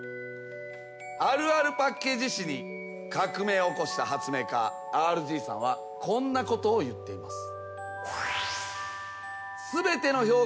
あるあるパッケージ史に革命を起こした発明家ＲＧさんはこんなことを言っています。